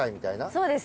そうです